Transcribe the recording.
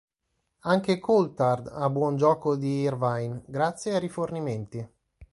Anche Coulthard ha buon gioco di Irvine, grazie ai rifornimenti.